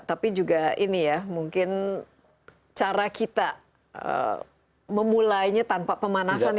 tapi juga ini ya mungkin cara kita memulainya tanpa pemanasan